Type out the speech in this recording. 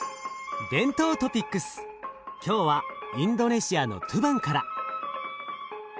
今日はインドネシアのトゥバンから。